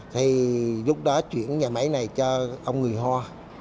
thì lúc đó chuyển nhà máy này cho ông người hoa